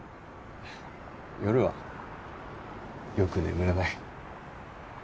夜はよく眠れない。